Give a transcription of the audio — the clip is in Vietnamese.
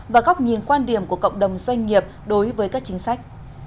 và góc nhìn quan điểm của cộng đồng doanh nghiệp đối với các chính sách